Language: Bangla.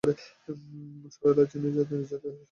সরলা জানত নীরজা জেনেশুনেই ভুল নামদিয়ে প্রতিবাদ করলে।